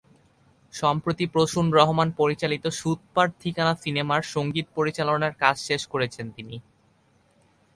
সম্প্রতি প্রসূন রহমান পরিচালিত সুতপার ঠিকানা সিনেমারসংগীত পরিচালনার কাজ শেষ করেছেন তিনি।